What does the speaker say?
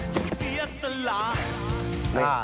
อย่างเสียสละ